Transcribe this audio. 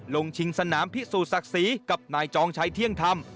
ลงชิงสนามพิสูศาสตรีกับนายจองชัยเที่ยงธรรม